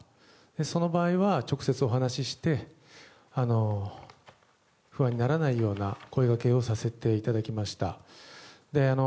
その場合は、直接お話しして不安にならないような声掛けをさせていただきました。